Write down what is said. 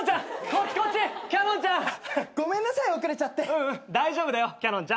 ううん大丈夫だよキャノンちゃん。